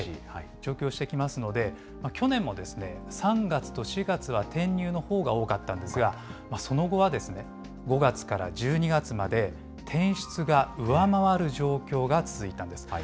上京してきますので、去年も３月と４月は転入のほうが多かったんですが、その後は５月から１２月まで、転出が上回る状況が続いたんです。